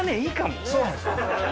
そうなんですよ。